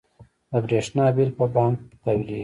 د بریښنا بیل په بانک تحویلیږي؟